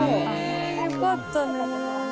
へぇよかったね。